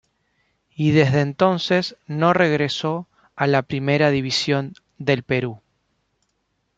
Y desde entonces no regresó a la Primera División del Perú.